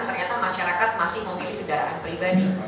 ternyata masyarakat masih memilih kendaraan pribadi